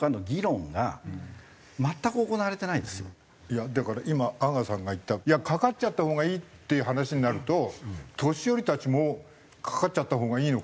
いやだから今阿川さんが言った「かかっちゃった方がいい」っていう話になると年寄りたちもかかっちゃった方がいいのかね？